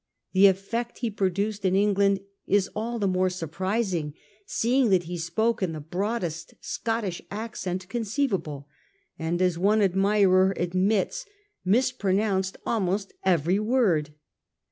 The effect he produced in England is all the more surprising seeing that he spoke in the broadest Scottish accent conceivable, and, as one admirer admits, mispronounced almost every word.